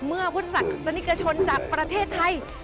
เมื่อพุทธศาสนิกชนจากประเทศไทย